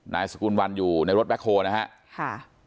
นายสกุลวันอยู่ในรถแคคโฮลนะครับ